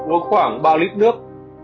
uống khoảng ba lít nước